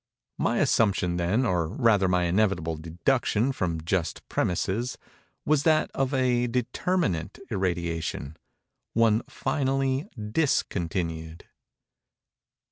My assumption, then, or rather my inevitable deduction from just premises—was that of a determinate irradiation—one finally _dis_continued.